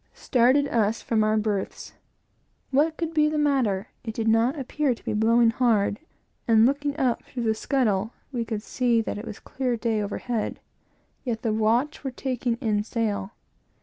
started us from our berths. What could be the matter? It did not appear to be blowing hard, and looking up through the scuttle, we could see that it was a clear day, overhead; yet the watch were taking in sail.